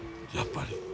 やっぱり？